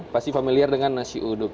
pasti familiar dengan nasi uduk